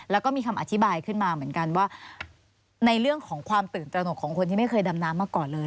แล้วก็มีคำอธิบายขึ้นมาเหมือนกันว่าในเรื่องของความตื่นตระหนกของคนที่ไม่เคยดำน้ำมาก่อนเลย